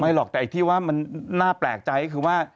หรอกแต่ไอ้ที่ว่ามันน่าแปลกใจก็คือว่า